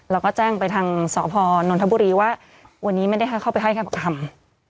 แล้วก็แจ้งไปทางสพนนทบุรีว่าวันนี้ไม่ได้เข้าไปให้แค่ประคำ